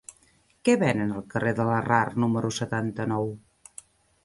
Què venen al carrer de Larrard número setanta-nou?